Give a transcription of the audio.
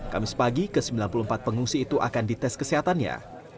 kamis pagi ke sembilan puluh empat pengungsi itu akan dites kesehatannya